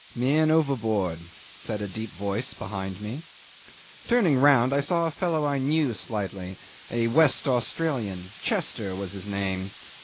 '"Man overboard," said a deep voice behind me. Turning round, I saw a fellow I knew slightly, a West Australian; Chester was his name.